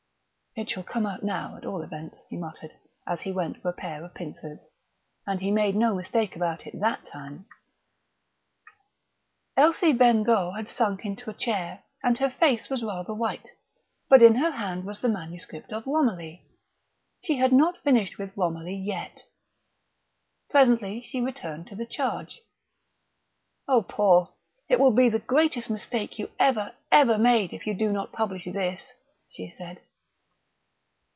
"It shall come out now, at all events," he muttered, as he went for a pair of pincers. And he made no mistake about it that time. Elsie Bengough had sunk into a chair, and her face was rather white; but in her hand was the manuscript of Romilly. She had not finished with Romilly yet. Presently she returned to the charge. "Oh, Paul, it will be the greatest mistake you ever, ever made if you do not publish this!" she said.